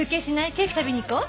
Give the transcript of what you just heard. ケーキ食べに行こう。